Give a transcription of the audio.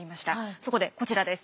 そこでこちらです。